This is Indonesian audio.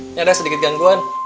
ini ada sedikit gangguan